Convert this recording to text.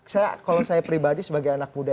saya kalau saya pribadi sebagai anak muda